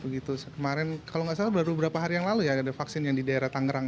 kemarin kalau nggak salah baru beberapa hari yang lalu ya ada vaksin yang di daerah tangerang